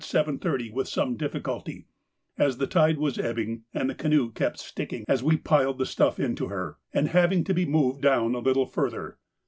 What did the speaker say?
30 with some difficulty, as the tide was ebbing, and the canoe kept sticking as we piled the stuff into her, and having to be moved down a little further.